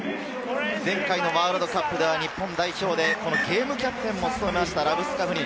前回ワールドカップでは日本代表でゲームキャプテンも務めました、ラブスカフニ。